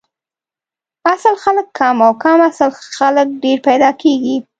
اصل خلک کم او کم اصل خلک ډېر پیدا کیږي